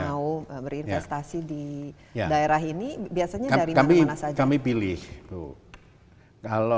mau berinvestasi di daerah ini biasanya dari mana mana saja dipilih kalau